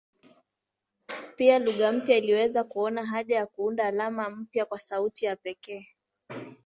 Pia lugha mpya iliweza kuona haja ya kuunda alama mpya kwa sauti ya pekee.